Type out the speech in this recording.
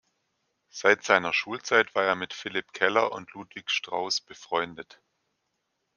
Seit seiner Schulzeit war er mit Philipp Keller und Ludwig Strauss befreundet.